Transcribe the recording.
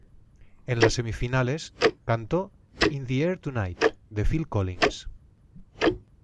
En las semifinales, cantó "In the Air Tonight" de Phil Collins.